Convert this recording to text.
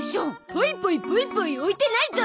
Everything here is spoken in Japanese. ポイポイポイポイ置いてないゾ！